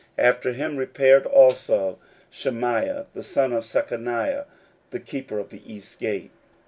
After him repaired also Shemaiah the son of Shechaniah, the keeper of the east gate.